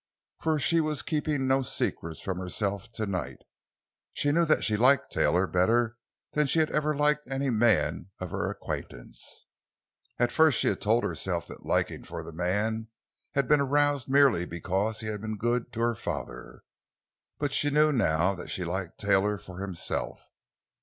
For she was keeping no secrets from herself tonight. She knew that she liked Taylor better than she had ever liked any man of her acquaintance. At first she had told herself that her liking for the man had been aroused merely because he had been good to her father. But she knew now that she liked Taylor for himself.